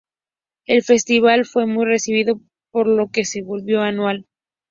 El festival fue bien recibido, por lo que se volvió anual.